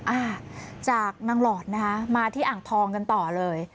อ่าจากนางหลอดนะคะมาที่อ่างทองกันต่อเลย